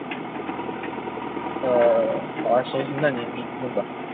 壬酸铵是具有溶解性的。